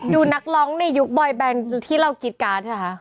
ดูนักร้องในยุคบอยแบรนด์ที่เรากิจการใช่ไหม